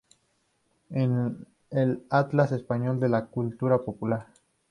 En el "Atlas español de la cultura popular.